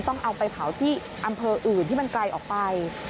ต้องเอาไปเผาที่อำเภออื่นที่มันไกลออกไป